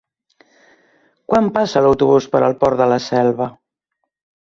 Quan passa l'autobús per el Port de la Selva?